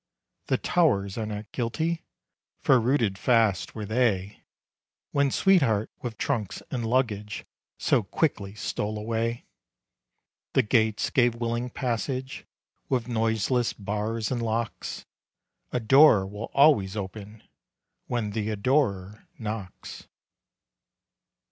The towers are not guilty, For rooted fast were they. When sweetheart, with trunks and luggage, So quickly stole away. The gates gave willing passage, With noiseless bars and locks. A door will always open, When the adorer knocks.